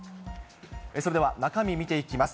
それでは、中身見ていきます。